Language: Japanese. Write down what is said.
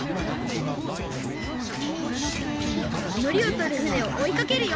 のりをとる船をおいかけるよ！